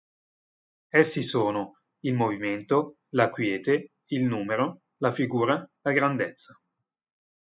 Essi sono: il movimento, la quiete, il numero, la figura, la grandezza.